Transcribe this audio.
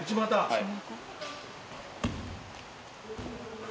はい。